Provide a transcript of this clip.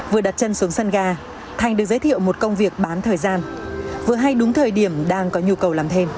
vừa đặt chân xuống sân ga thành được giới thiệu một công việc bán thời gian vừa hay đúng thời điểm đang có nhu cầu làm thêm